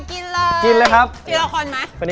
ชากกินแต่เห็นเป็น